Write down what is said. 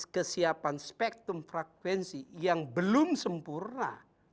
kesiapan spektrum frekuensi yang belum sempurna